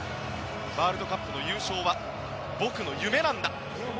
ワールドカップの優勝は僕の夢なんだ。